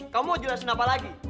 kamu jelasin apa lagi